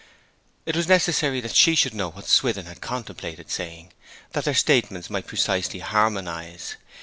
It was necessary that she should know what Swithin contemplated saying, that her statements might precisely harmonize.